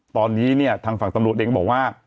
ตอนนี้เนี่ยทางฝั่งตำรวจเองบอกว่า